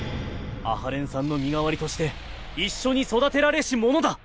阿波連さんの身代わりとして一緒に育てられし者だ。